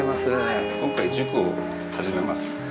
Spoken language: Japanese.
今回塾を始めます。